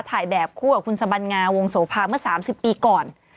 ถ่ายแบบคู่กับคุณสบัญงาวงโสภาเมื่อ๓๐ปีก่อน